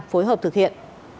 phối hợp thực hiện